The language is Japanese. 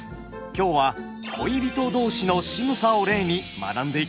今日は恋人同士のしぐさを例に学んでいきましょう。